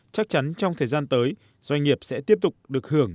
chắc chắn trong thời gian tới doanh nghiệp sẽ tiếp tục được hưởng